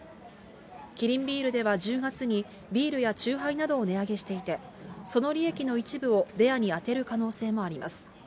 キリンビールでは１０月に、ビールや酎ハイなどを値上げしていて、その利益の一部をベアに充てる可能性もあります。